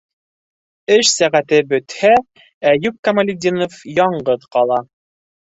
Эш сәғәте бөтһә, Әйүп Камалетдинов яңғыҙ ҡала.